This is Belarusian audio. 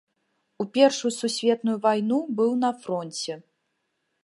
У першую сусветную вайну быў на фронце.